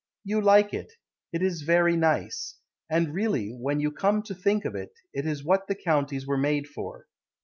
You like it; It is very nice; And really, when you come to think of it, It is what the counties were made for.